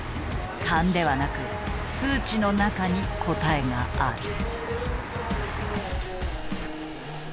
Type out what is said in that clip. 勘ではなく数値の中に答えがある。